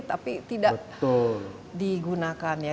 tapi tidak digunakan ya